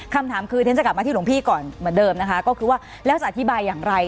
คำถามคือเรียนจะกลับมาที่หลวงพี่ก่อนเหมือนเดิมนะคะก็คือว่าแล้วจะอธิบายอย่างไร